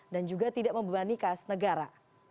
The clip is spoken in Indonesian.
dan juga tidak membebani kas negara